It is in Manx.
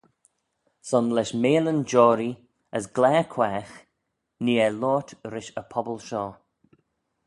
Son lesh meillyn joarree, as glare quaagh nee eh loayrt rish y pobble shoh.